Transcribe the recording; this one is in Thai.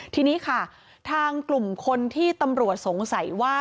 ทีนี้ค่ะทางกลุ่มคนที่ตำรวจสงสัยว่า